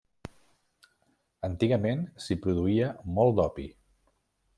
Antigament s'hi produïa molt d'opi.